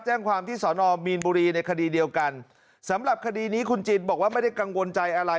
แจ้งความที่สอนอมีนบุรีในคดีเดียวกันสำหรับคดีนี้คุณจินบอกว่าไม่ได้กังวลใจอะไร